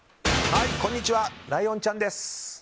こんにちはライオンちゃんです！